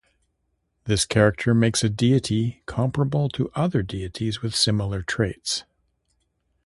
This character makes a deity comparable to other deities with similar traits.